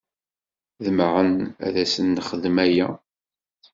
Ḍemɛen ad asen-nexdem aya.